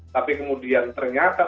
tapi kemudian ternyata